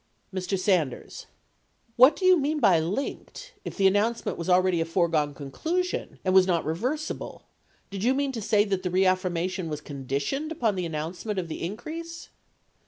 Mr. Sanders. What do you mean by "linked," if the an nouncement was already a foregone conclusion and was not re versible, did you mean to say that the reaffirmation was con ditioned upon the announcement of the increase?